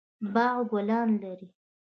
باغ ګلان لري